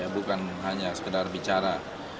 bukan hanya sekedar bicara